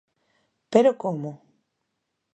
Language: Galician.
Pero, como?